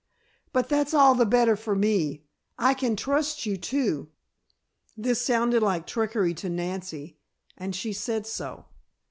But that's all the better for me. I can trust you, too." This sounded like trickery to Nancy, and she said so.